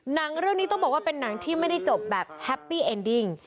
หนังเรื่องนี้ต้องบอกว่าเป็นหนังที่ไม่ได้จบแบบแฮปปี้เอ็นดิ้ง